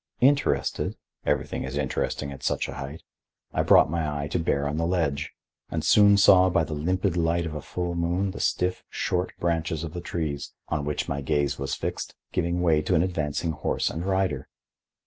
Interested—everything is interesting at such a height—I brought my eye to bear on the ledge, and soon saw by the limpid light of a full moon the stiff, short branches of the trees, on which my gaze was fixed, give way to an advancing horse and rider.